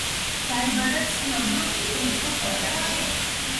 დაიბადა ცნობილ თურქულ ოჯახში.